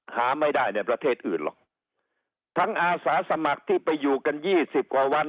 หาไม่ได้ในประเทศอื่นหรอกทั้งอาสาสมัครที่ไปอยู่กันยี่สิบกว่าวัน